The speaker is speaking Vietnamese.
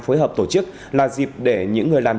phối hợp tổ chức là dịp để những người làm